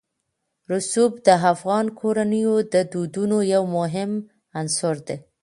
رسوب د افغان کورنیو د دودونو یو مهم عنصر دی.